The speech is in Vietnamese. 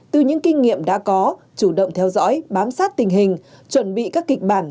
từ những kinh nghiệm đã có chủ động theo dõi bám sát tình hình chuẩn bị các kịch bản